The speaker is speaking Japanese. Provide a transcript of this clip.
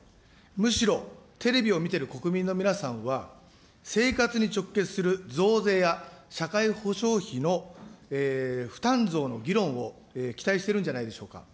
むしろ、テレビを見てる国民の皆さんは、生活に直結する増税や社会保障費の負担増の議論を期待してるんじゃないでしょうか。